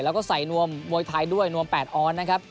แล้วก็ใส่นวมมวยไทยด้วยนวม๘ออนด์นะครับ